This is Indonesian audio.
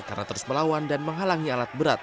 karena terus melawan dan menghalangi alat berat